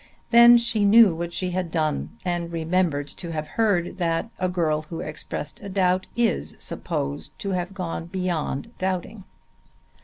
Then she knew what she had done, and remembered to have heard that a girl who expresses a doubt is supposed to have gone beyond doubting.